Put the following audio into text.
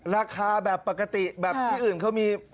ราคาแบบปกติแบบที่อื่นเขามี